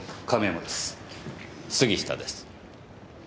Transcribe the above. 杉下です。